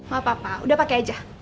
maaf apa apa udah pakai aja